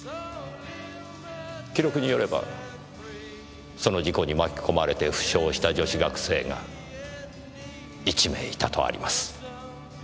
記録によればその事故に巻き込まれて負傷した女子学生が１名いたとあります。